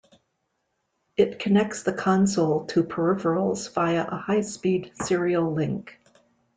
It connects the console to peripherals via a high-speed serial link.